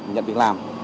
nhận việc làm